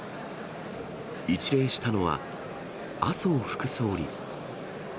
一礼したのは、麻生副総理。